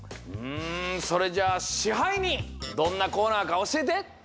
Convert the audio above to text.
うんそれじゃあ支配人どんなコーナーかおしえて！